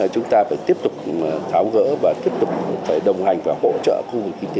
chúng ta phải tiếp tục tháo gỡ và tiếp tục phải đồng hành và hỗ trợ khu vực kinh tế